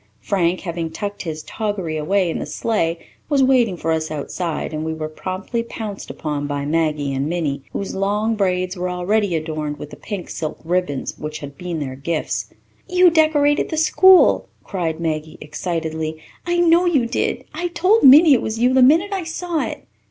Frank, having tucked his toggery away in the sleigh, was waiting for us outside, and we were promptly pounced upon by Maggie and Minnie, whose long braids were already adorned with the pink silk ribbons which had been their gifts. "You decorated the school," cried Maggie excitedly. "I know you did. I told Minnie it was you the minute I saw it."